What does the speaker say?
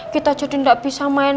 kita jadi nggak bisa main